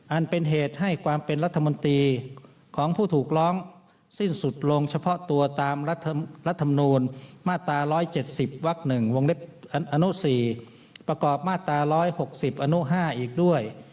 อันเป็นเหตุให้ความเป็นรัฐมนตรีของผู้ถูกร้องสิ้นสุดลงเฉพาะตัวตามรัฐมนูลมาตรา๑๗๐วัก๑วงเล็บอนุ๔ประกอบมาตรา๑๖๐อนุ๕อีกด้วย